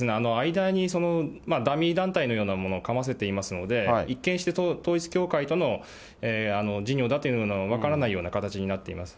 間にダミー団体のようなものをかませていますので、一見して、統一教会との事業だというのは分からないような形になっています。